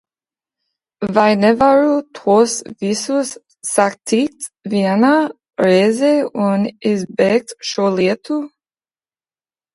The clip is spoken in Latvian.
Vai nevaru tos visus satikt vienā reizē un izbeigt šo lietu?